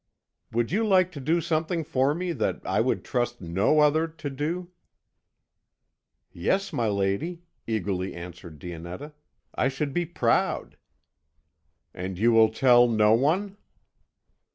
"Would you like to do something for me that I would trust no other to do?" "Yes, my lady," eagerly answered Dionetta. "I should be proud." "And you will tell no one?'